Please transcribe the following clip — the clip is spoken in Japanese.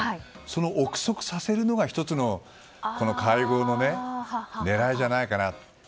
その憶測させるのが１つの会合の狙いじゃないかな。